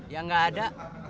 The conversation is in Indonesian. yang gak ada